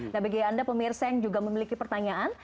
nah bagi anda pemirsa yang juga memiliki pertanyaan